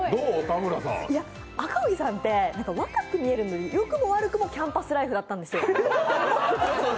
赤荻さんって若く見えるので良くも悪くもキャンパスライフだったんですよ。